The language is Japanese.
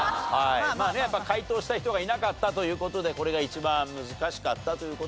まあねやっぱ解答した人がいなかったという事でこれが一番難しかったという事でございます。